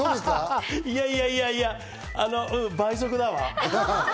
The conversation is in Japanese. いやいやいやいや、倍速だわ。